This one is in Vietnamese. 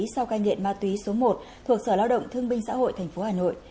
sau cai nghiện ma túy số một thuộc sở lao động thương binh xã hội tp hà nội